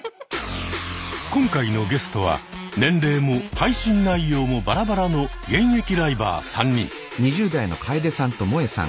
今回のゲストは年齢も配信内容もバラバラの現役ライバー３人。